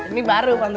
ini baru pak